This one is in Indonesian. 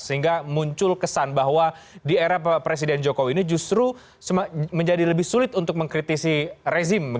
sehingga muncul kesan bahwa di era presiden jokowi ini justru menjadi lebih sulit untuk mengkritisi rezim